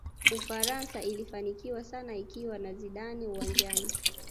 ufaransa ilifanikiwa sana ikiwa na zidane uwanjani